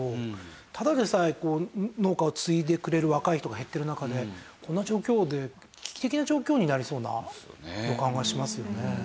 ただでさえ農家を継いでくれる若い人が減ってる中でこんな状況で危機的な状況になりそうな予感がしますよね。